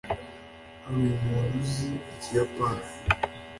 hari umuntu uzi ikiyapani